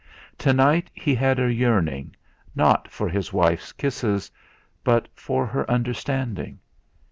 Tonight he had a yearning, not for his wife's kisses, but for her understanding.